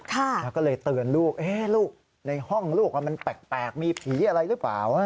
แล้วก็เลยเตือนลูกลูกในห้องลูกมันแปลกมีผีอะไรหรือเปล่า